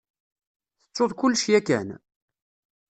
Tettuḍ kullec yakan?